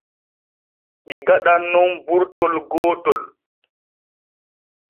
Ɗi gaɗan nun burtol gootol.